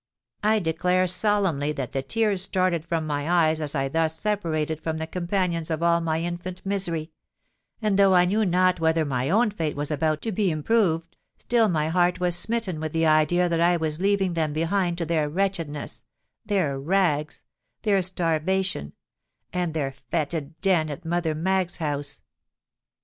I declare solemnly that the tears started from my eyes as I thus separated from the companions of all my infant misery; and though I knew not whether my own fate was about to be improved, still my heart was smitten with the idea that I was leaving them behind to their wretchedness—their rags—their starvation—and their fœtid den at Mother Maggs's house.